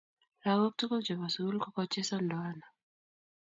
lakok tukul chepo sukul kokochesan ndoana